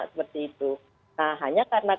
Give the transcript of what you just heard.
seperti itu nah hanya karena